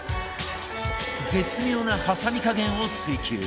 絶妙なはさみ加減を追求